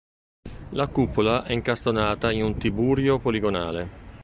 La cupola è incastonata in un tiburio poligonale.